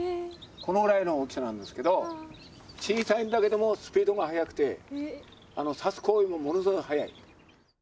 このぐらいの大きさなんですけど、小さいんだけども、スピードが速くて、刺す行為もものすごい速い。